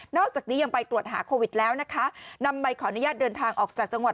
อกจากนี้ยังไปตรวจหาโควิดแล้วนะคะนำใบขออนุญาตเดินทางออกจากจังหวัด